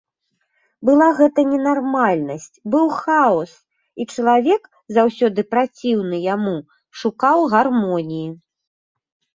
Была гэта ненармальнасць, быў хаос, і чалавек, заўсёды праціўны яму, шукаў гармоніі.